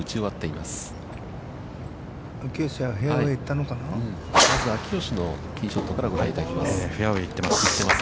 まず秋吉のティーショットからご覧いただきます。